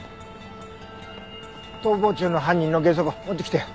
逃亡中の犯人のゲソ痕持ってきたよ。